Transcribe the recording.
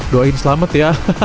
doain selamat ya